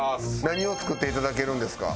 何を作っていただけるんですか？